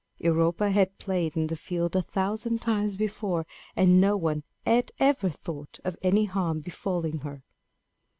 Europa had played in the field a thousand times before, and no one had ever thought of any harm befalling her.